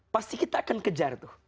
pasti kita akan kejar